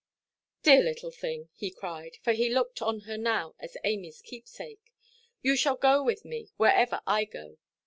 "Dear little thing," he cried, for he looked on her now as Amyʼs keepsake, "you shall go with me wherever I go.